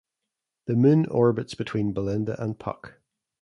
The moon orbits between Belinda and Puck.